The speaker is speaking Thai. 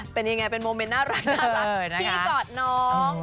เป็นยังไงเป็นโมเมนต์น่ารักพี่กอดน้อง